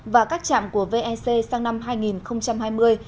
và các chạm của vec sang năm hai nghìn hai mươi